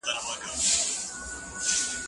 هغه وويل چي سندري ښکلې ده!